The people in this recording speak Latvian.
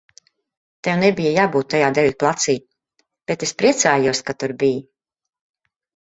Tev nebija jābūt tajā deju placī, bet es priecājos, ka tur biji.